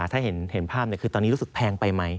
ถ้าเห็นภาพคือตอนนี้รู้สึกแพงไปไหม